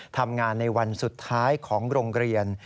ทำงานในวันสุดท้ายของโรงเรียน